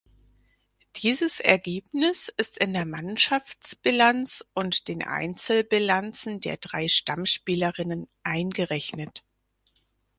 Dieses Ergebnis ist in der Mannschaftsbilanz und den Einzelbilanzen der drei Stammspielerinnen eingerechnet.